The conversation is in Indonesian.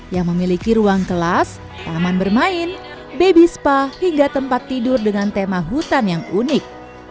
yang memiliki ruang kelas taman bermain baby spa hingga tempat tidur dengan tema hutan yang unik